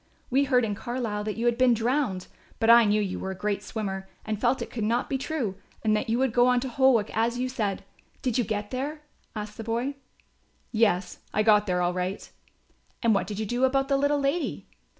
We heard in Carlisle that you had been drowned, but I knew you were a great swimmer and felt it could not be true and that you would go on to Holwick as you said. Did you get there?" asked the boy. "Yes, I got there all right." "And what did you do about the little lady?"